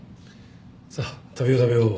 さあ食べよう食べよう。